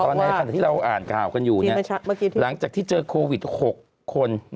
ในขณะที่เราอ่านข่าวกันอยู่เนี่ยหลังจากที่เจอโควิด๖คน